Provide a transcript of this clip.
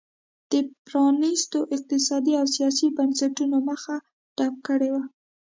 د پرانیستو اقتصادي او سیاسي بنسټونو مخه ډپ کړې وه.